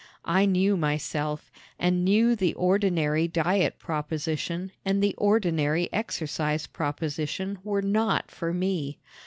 I knew myself, and knew the ordinary diet proposition and the ordinary exercise proposition were not for me.